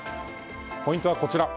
ポイントはこちら。